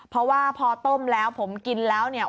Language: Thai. เพราะว่าพอต้มแล้วผมกินแล้วเนี่ย